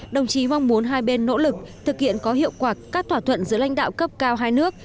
đồng chí mong muốn hai bên nỗ lực thực hiện có hiệu quả các thỏa thuận giữa lãnh đạo cấp cao hai nước